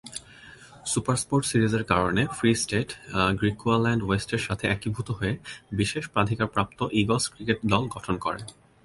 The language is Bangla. সুপারস্পোর্ট সিরিজের কারণে ফ্রি স্টেট, গ্রিকুয়াল্যান্ড ওয়েস্টের সাথে একীভূত হয়ে বিশেষ প্রাধিকারপ্রাপ্ত ঈগলস ক্রিকেট দল গঠন করে।